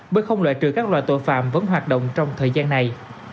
bởi không loại trừ các loại tội phạm vẫn hoạt động trong thời gian này